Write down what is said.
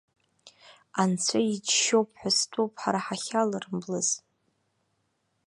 Анцәа иџьшьоуп ҳәа стәоуп ҳара ҳахьаларымблыз.